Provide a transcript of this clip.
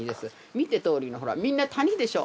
見てとおりのほらみんな谷でしょ？